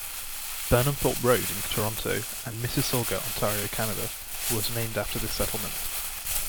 Burnhamthorpe Road in Toronto and Mississauga, Ontario, Canada was named after this settlement.